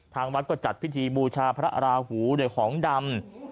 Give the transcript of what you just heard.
ทางวัดก็จัดพิธีบูชาพระราหูด้วยของดำ